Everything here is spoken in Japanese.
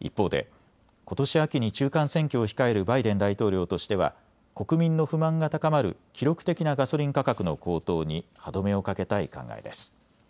一方でことし秋に中間選挙を控えるバイデン大統領としては国民の不満が高まる記録的なガソリン価格の高騰に歯止めをかけたい考えです。